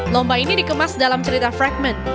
lomba ini dikemas dalam cerita fragment